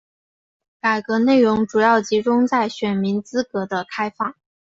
改革内容主要集中在选民资格的开放。